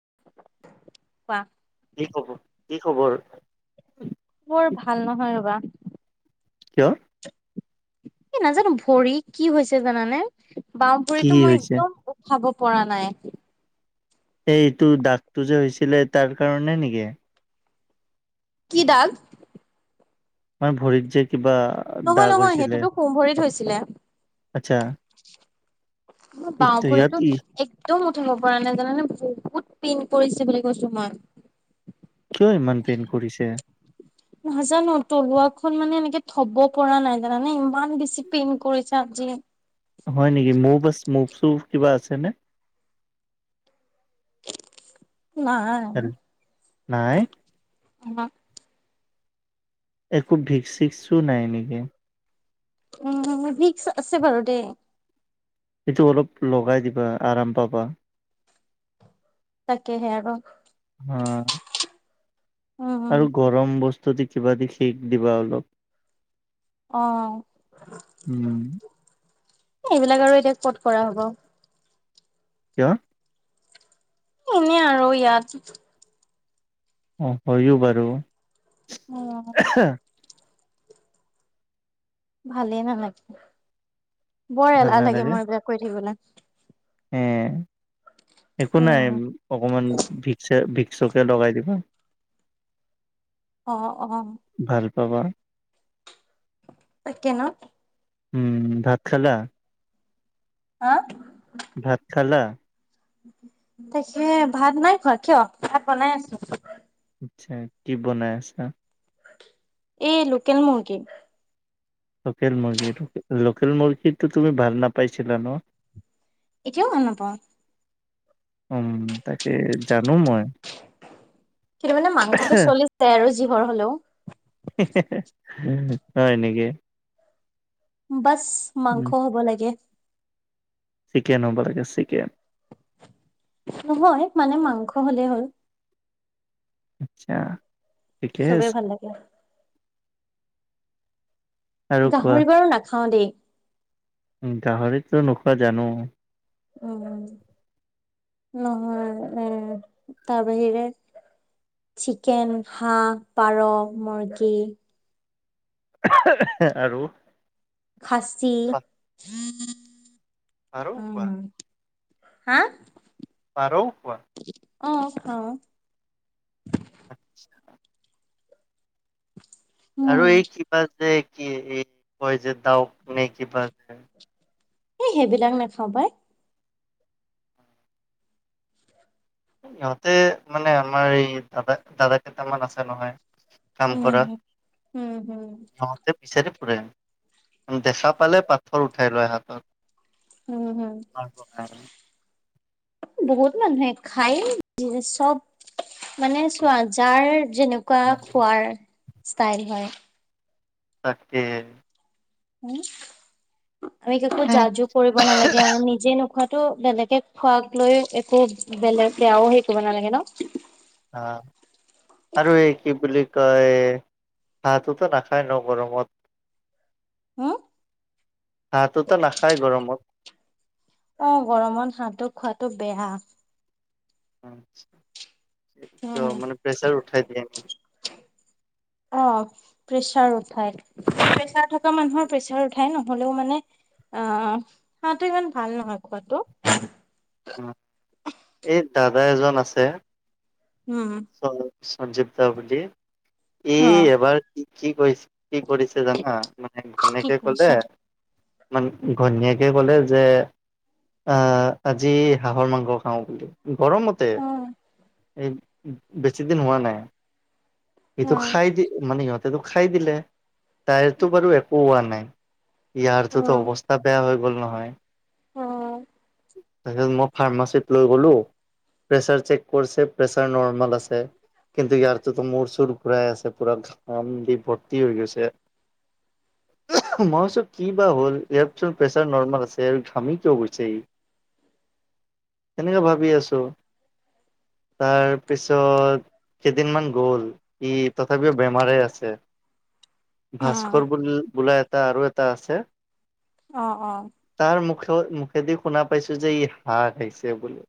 কোৱা কি খবৰ, কি খবৰ? খবৰ ভাল নহয় ৰবা। কিয়? এই নাজানো ভৰি কি হৈছে জানানে? কি বাওঁভৰিতো মই হৈছে একদম উঠাব পৰা নাই। এইটো দাগটো যে হৈছিলে তাৰ কাৰণে নেকি? কি দাগ? মানে ভৰিত যে কিবা নহয় দাগ নহয় হৈছিলে। সেইটোতো সোঁ ভৰিত হৈছিলে আচ্ছা। ইত বাওঁ ইয়াত ভৰিটো ই এক একদম উঠিব পৰা নাই জানানে বহুত পেইন কৰিছে বুলি কৈছো কিয় ইমান পেইন মই। কৰিছে নাজানো তলুৱা খন মানে এনেকে থব পৰা নাই জানানে ইমান বেছি পেইন কৰিছে আজি। হয় নেকি মুভ আছ মুভ চুভ কিবা আছেনে? নাই? [unintelligible] একো ভিকসিক্সো নাই নেকি? উম ভিক্স আছে বাৰু দেই। সেইটো অলপ লগাই দিবা আৰাম পাবা। তাকে আৰ হা [inaudible] আৰু গৰম বস্তু দি কিবা দি শিক দিবা অলপ। অহ। উম এইবিলাক আৰু এতিয়া ক'ত কৰা হ'ব। কিয়? এনে আৰু ইয়াত অ হয়ো বাৰু। উম। ভালেই নালাগে বৰ এলাহ লাগে মোৰ এইবিলাক কৈ থাকিবলৈ। এই একো নাই অকমান ভিকছা ভি কে লগাই দিবা। অ', অ',। তবা। তাকে ন। উম, ভাত খালা? আ? ভাত খালা? তাকে ভাত নাই খোৱা কিয় ভাত বনাই আছো। আচ্চা, কি বনাই আছা? এই লোকেল মুৰ্গী। লোকেল মুৰ্গী লোকেল মুৰ্গীটো তুমি ভাল নাপাইছিলা ন। এতিয়াও ভাল নাপাওঁ। উম, তাকে জানো মই। কিন্তু মানে মাংসটো চলি যায় আৰু যিহৰ হলেও। হয় নেকি? বাস মাংস উম হ'ব লাগে। চিকেন হ'ব লাগে চিকেন। নহয় মানে মাংস হ'লেই হ'ল। আচ্ছা। ঠিকে চবেই আছে ভাল লাগে। আৰু কোৱা? গাহৰি বাৰু নাখাও দেই। গাহৰিতো নোখোৱা জানো। উম, নহয় এ তাৰ বাহিৰে চিকেন, হাঁহ, পাৰ, মুৰ্গী। [inaudible] আৰু? খাচী [inaudible] আৰু কোৱা। উম। হা? পাৰও খোৱা? অ', খাওঁ। খোৱা? আৰু উম, এই কিবা যে কি এই কয় যে ডাউক নে কিবা। এ সেইবিলাক নেখাওঁ পাই। ইহঁতে মানে আমাৰ এই দাদা দাদা কেইটামান আছে নহয়। কাম উম। কৰা, উম, হুম, সিহঁতে বিচাৰি ফু ফূৰে, দেখা পালে পাথৰ উঠাই লয় হাতত। [inaudible] উম, হুম, বহুত মানুহে খাই চব মানে চোৱা যাৰ যেনেকুৱা খোৱাৰ ষ্টাইল হয়। তাকে। উম, আমি একো জজ কৰিব নালাগে আৰু নিজে নোখোৱাত টো বেলেগে খোৱাক লৈ একো বেলেগ বেয়াও হে কৰিব নালাগে ন? আহ আৰু এই কি বুলি কয়, হাঁহটোতো নাখায় ন গৰমত। হোন? হাঁহটোটো নাখায় গৰমত। অ', গৰমত হাঁহটো খোৱাটো বেয়া। উম। মানে প্ৰেছাৰ উঠাই দিয়ে নেকি? অ প্ৰেছাৰ উঠাই প্ৰেছাৰ থকা মানুহৰ প্ৰেছাৰ উঠাই নহ'লেও মানে আহ হাঁহটো ইমান ভাল নহয় খোৱাটো [inaudible] এই দাদা এজন আছে। উম। সঞ্জীৱ দা বুলি ই এবাৰ কি কি কৰিছে কি কৰিছে জানা? মান কি এনেকে কলে কৰিছা মান ঘনীয়েকে কলে যে আহ আজি হাঁহৰ মাংস খাওঁ বুলি। গৰমতে অ এই বেছিদিন হোৱা নাই। অ সিটো খাই দি মানে সিহঁতেটো খাই দিলে তাইৰতো বাৰু একো হোৱা নাই। অ ইয়াৰটোতো অৱস্থা বেয়া হৈ গ'ল নহয়। অ'। তাৰিছত মই ফাৰ্মাচীত লৈ গলো। প্ৰেছাৰ চেক কৰিছে প্ৰেছাৰ নৰ্মাল আছে কিন্তু ইয়াৰতোটো মোৰ চোৰ চুৰ ফুৰাই আছে পুৰা ঘাম দি ভৰ্তি হৈ গৈছে। মইছো কি বা হ'ল ইয়াতচোন প্ৰেচাৰ নৰ্ম আছে। তেৰ ঘামি কিয় গৈছে ই, তেনেকে ভাবি আছো। তাৰ পিছত কেইদিনমান গ'ল। ই তথাপিও বেমাৰেেই আছে, ভাস্কৰ উম ব বোলো এটা আৰু এটা আছে। অ', অ'। তাৰ মুখে মুখেদি শুনা পাইছো যে ই হাৰছে বুলি।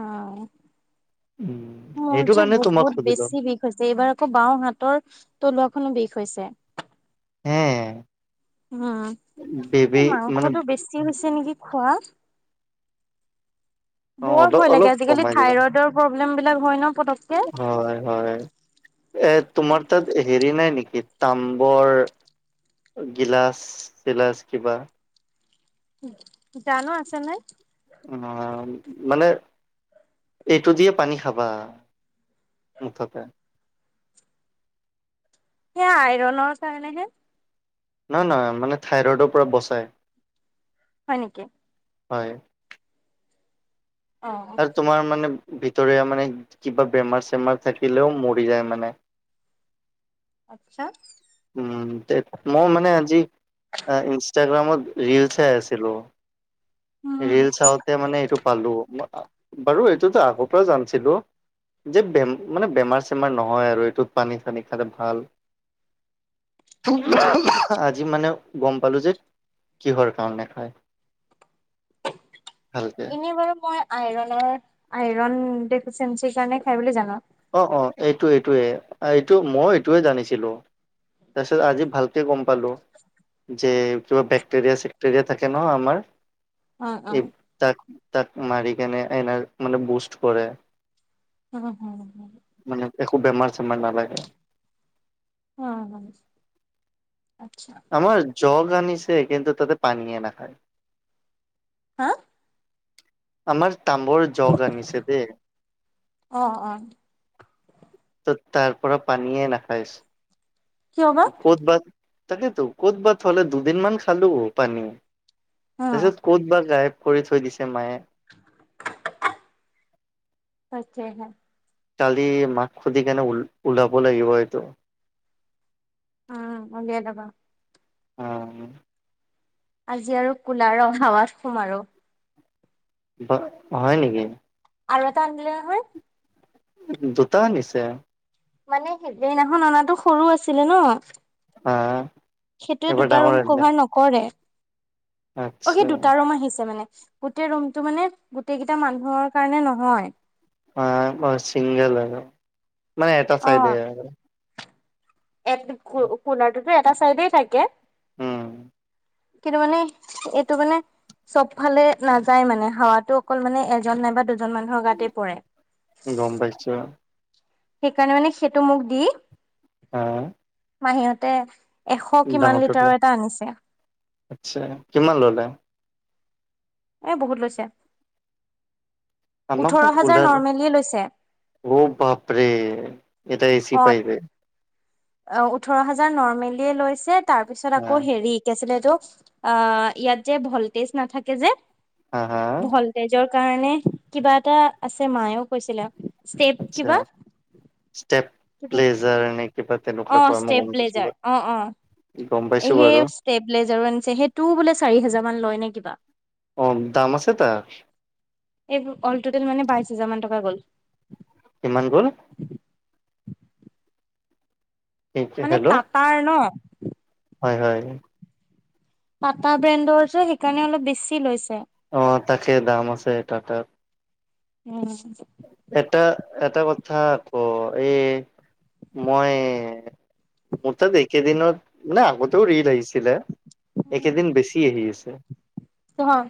অ', উম মোৰ সেইটো যে কাৰণে তোমাক বহুত সুধিলো বেছি বিষ হৈছে এইবাৰ আকৌ বাওঁৰ হাতৰ তলুৱাখনো বিষ হৈছে। হে উম, এই বেবী মানে মাংসটো বেছি হৈছে নেকি খোৱা। অ বৰ অলপ ভয় লাগে অলপ আজিকালি কমাই দিবা থাইৰইডৰ প্ৰব্লেম বিলাক হয় ন। পতককে হয় হয় এ তোমাৰ তাত হেৰি নাই নেকি? তাম্বৰ গিলাচ চিলাচ কিবা? জানো আছে নাই। অ', মানে, এইটোদিয়ে পানী খাবা। মুঠতে। সেয়া আইৰনৰ কাৰণেহে। নহয় নহয় মানে থাইৰইডৰ পৰা বচাই। হয় নেকি? হয়। অ আৰু তোমাৰ মানে বি ৰে মানে কিবা বেমাৰ চেমাৰ থাকিলেও মৰি যায় মানে। [unintelligible] উম তে ম মানে আজি ইনষ্টাগ্ৰামত ৰলচে আছিলো উম ৰিল চাওঁতে মানে এইটো পালো বাৰু এইটোতো আগৰ পৰা জানছিলো যেে মানে বেমাৰ চেমাৰ নহয় আৰু এইটোত পানী চানী খালে ভাল উম আজি মানে গম পালো যে কিহৰ কাৰাম নখায় এনে বাৰু মই আইৰনৰ আইৰন দেখছো চেচি কাৰণে খাই বুলি জানো অ অ এইটো এইটোোৱে এইটো মই এইটোৱে জানিছিলো তছে আজি ভালকৈ কম পালো যে কিবা ব্যাক্টেৰিয়া চাক্টেৰিয়া থাকে ন আমাৰ অ অ এই তাক তাক মাৰি কেনে এনাৰ মানে বুষ্ট কৰে অ', মানে একো বেমাৰ চেমাৰ নালাগে। উ হ আচ্ছা আমাৰ জগ আনিছে কিন্তু তাতে পানীয়েনা হয় হা আমাৰ তাম্বৰ জগ আনিছে দে অ অ ত তাৰ পৰা পানীয়ে নাখাইছ কিয় বা ক'ত ভাত তাকেইেতো ক'ত ভাত হলে দুদিনমান খালো পানী অ তাৰপিছত ক'ত বা গায়ব কৰি থৈ দিছে মায়ে [unintelligible] [unintelligible] কালি মাক সুধি কেনে ওলাব লাগিব এইটো উম আহ আজি আৰু কলাৰ অহাৱাত সোম আৰু হয় নেকি আৰু এটা আনিলে হয়। দুটা নিছে মানে সেইদিনাখন অনাাতো সৰু আছিলে ন অ', সেইটোয়ে দুটা ৰুম কভাৰ নকৰে অ সি আচ্ছা দুটা ৰুম আহিছে মানে গোটেই ৰুমটো মানে গোটেই কেইটা মানুহৰ কাৰণে নহয় অ ব চিংগল আৰু মানে এটা ফাইদে এ কোনাৰটোতো এটা চাইডে থাকে উম কিন্তু মানে এইটো মানে চব ফালে নাযায় মানে হাৱাতো অকল মানে এজন নাইবা দুজন মানুহৰ গাতেই পৰে গম পাইছো সেইকাৰণে মানে সেইটো মোক দি আহ মাহীতে এশ কিমান ললে। লিটাৰৰ এটা আনিছে আচ্ছা কিমান ললে এই বহুত লৈছে আ ভ ওঠৰ হাজাৰ ওলাৰ নৰ্মেলিয়ে লৈছে বাপৰে এটা এ চি অ পাইজে অ ওঠৰ হাজাৰ নৰ্মেলিয় লৈছে তাৰ পিছত হা আকৌ হেৰি শিকাইছিলে এইটো আহ ইয়াত যে ভলটেজ নাথাকে যে হা হা ভলটেজৰ কাৰণে কিবা এটা আছে মায়েও কৈছিলে ষ্টেপ আচ্ছা কিবা ষ্টেপ প্লেজাৰ নে কিবা অ তেনেকুৱা কয় মই ষ্টেপ গম পাইছো ব্লেজাৰ অ অ বাৰু গম পাইছো এ বাৰু সেই ষ্টেবলাইজাৰো আনিছে সেইটো বোলে চাৰি হোজাৰ মান লয় নে কিবা অ দাম আছে তাৰ এই অল টেল মানে বাইশ হাজাৰ মান টকা গ'ল কিমান গ'ল মানে হেল্ল' টাটাৰ ন হয় হয় পটা ব্ৰেণ্ডৰ যে সেইকাৰণে অলপ বেছি লৈছে অ তাকে দাম আছে এটাটাৰ উম এটা এটা কথা আ ক এই মই মোৰ তাত একে দিনত মানে আগতেও ৰিল আহিছে দিলে বেছি আহি হয়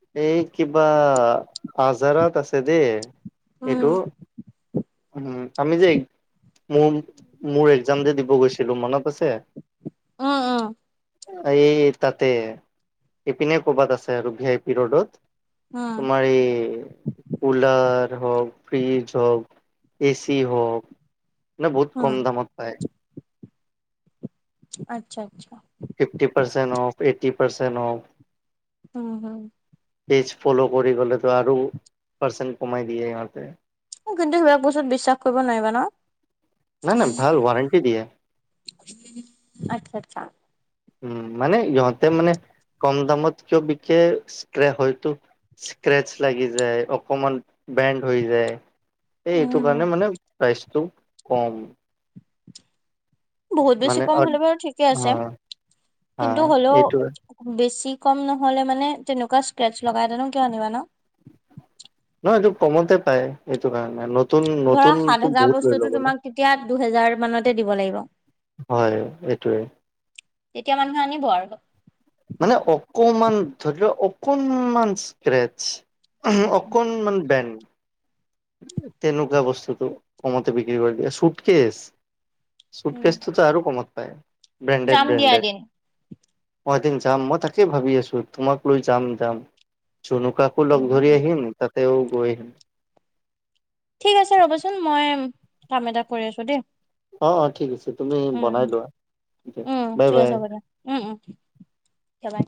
আ এই কিবা আজাৰত আছে দেই এইটো উম উম আমি যেোৰ মোৰ এক্জাম যে দিব গৈছিলো মনত আছে উ উম এই তাতে ইপিনে কৰ'বাত আছে আৰু ভি আই পি ৰোডত উম তোমাৰি হক ফ্ৰিজ হক এ চি হওক নানে বহুত উম কম দামত পায় আচ্ছা আচ্ছা ফিফটি পাৰ্চেণ্ট অফ এটি পাৰ্চেট অফ উম হ পজ ফল' কৰি গ'লেতো আৰু পাৰ্চেণ্ট কমাই দিয়ে ইহঁতে কিন্তু সিবাক বস্তু বিশ্বাস কৰিব নোৱাৰিবা ন নাই নাই ভাল ৱাৰণ্টি দিয়ে আত্ছা আচ্ছা উম মানে ইহঁতে মানে কম দামত কিয় বিকে ষ্ট্ৰে হয়তো স্ক্ৰেচ লাগি যায় অকমান বেণ্ড হৈ যায় এই এইটো উম কাৰণে মানে প্ৰাইচটো কম বহুত বেছি মানে কম অ হলে বাৰু ঠিকে আছে হা কিন্তু হ'লেও এইটোৱে বেছি কম নহলে মানে তেনেকুৱা স্ক্ৰেটছ লগাই জানো কিয় আনিবা ন নহয় এইটো কমতে পায় এইটো কাৰণে নতুন ধৰা সাত নতুনতো হোজাৰ বহুত লৈ বস্তুটো ল'ব ন তোমাক তেতিয়া দুহেজাৰ মানতে দিব লাগিব হয় এইটোৱে তেতিয়া মানুহে আনিব আৰু মানে অকমান ধৰি লও অকণমান স্ক্ৰেচ অকণ মান বেন তেনেকুৱা বস্তুটো কমতে বিক্ৰী কৰি দিয়া চুটকচ চুট উম, কেেষ্টটোতো আৰুো কমত পায় ব্ৰেণ্ডেড যাম দিয়া ব্ৰেণ্ডেড এদিন মই এদন যাম মই তাকেই ভাবি আছো তোমাক লৈ যাম যাম চুনুকাকো লগ ধৰি উম, আহিম তাতেও গৈ আহিম কামে এদাক কৰি আছো দেই অ অ ঠিক আছে তুমি উম বনাই উম লোৱা উম বাই ঠিক বাই আছে হ'ব দিয়া উম উম দিয়া বাই।